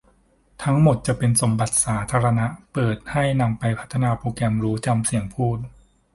ทั้งหมดจะเป็นสมบัติสาธารณะ เปิดให้นำไปพัฒนาโปรแกรมรู้จำเสียงพูด